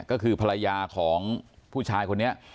ก็คือภรรยาของผู้ชายคนนี้